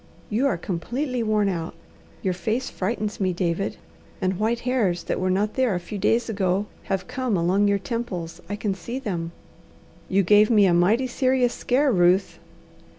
You are completely worn out. Your face frightens me, David, and white hairs that were not there a few days ago have come along your temples. I can see them." "You gave me a mighty serious scare, Ruth."